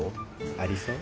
ありそう？